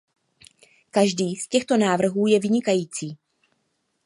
Každý z těchto návrhů je vynikající.